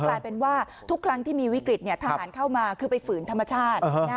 กลายเป็นว่าทุกครั้งที่มีวิกฤตทหารเข้ามาคือไปฝืนธรรมชาติ